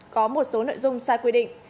có một số nội dung sai quy định